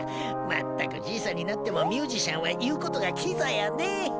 まったくじいさんになってもミュージシャンは言う事がキザやねえ。